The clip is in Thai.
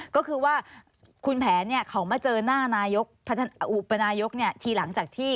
ก็คือว่าคุณแผนเขามาเจอหน้านายกอุปนายกทีหลังจากที่